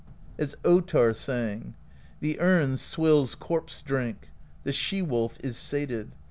As 6 ttarr sang: The Erne swills corpse drink. The She wolf is sated.